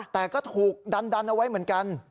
แต่ก็ถูกดันเอาไว้เหมือนกัน